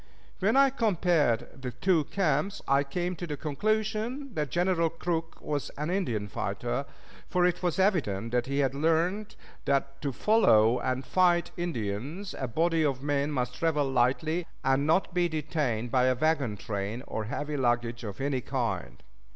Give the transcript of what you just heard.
When I compared the two camps, I came to the conclusion that General Crook was an Indian fighter; for it was evident that he had learned that to follow and fight Indians a body of men must travel lightly, and not be detained by a wagon train or heavy luggage of any kind.